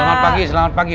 selamat pagi selamat pagi